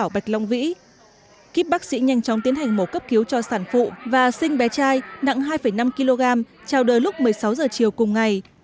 tàu bạch long vĩ kiếp bác sĩ nhanh chóng tiến hành mổ cấp cứu cho sản phụ và sinh bé trai nặng hai năm kg trao đời lúc một mươi sáu h chiều cùng ngày